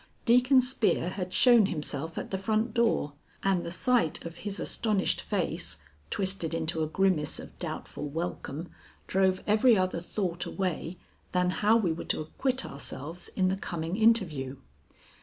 Deacon Spear had shown himself at the front door, and the sight of his astonished face twisted into a grimace of doubtful welcome drove every other thought away than how we were to acquit ourselves in the coming interview.